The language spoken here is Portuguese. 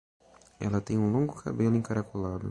Ela tem um longo cabelo encaracolado.